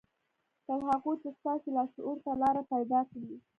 تر هغو چې ستاسې لاشعور ته لاره پيدا کړي.